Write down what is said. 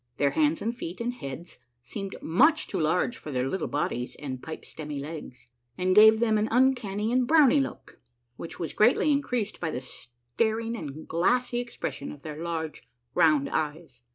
Their hands and feet and heads seemed much too large for their little bodies and pipe stemmy legs, and gave them an un canny and brownie look, which was greatly increased by the staring and glassy expression of their large, round eyes.